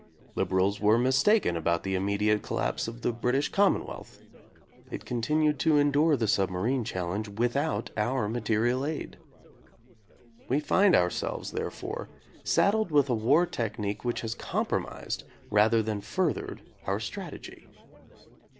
Liberals were mistaken about the immediate collapse of the British Commonwealth. It continued to endure the submarine challenge without our material aid. We find ourselves, therefore, saddled with a war technique which has compromised rather than furthered our strategy.